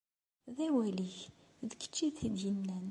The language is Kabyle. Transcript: D awal-ik, d kečč i t-id-yennan.